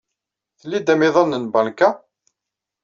Tlid amiḍan n tbanka?